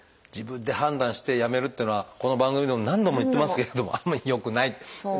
自分で判断してやめるっていうのはこの番組でも何度も言ってますけれどもあんまり良くない。